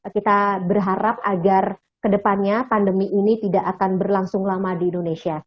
kita berharap agar kedepannya pandemi ini tidak akan berlangsung lama di indonesia